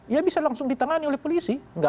ya bisa langsung ditangani oleh polisi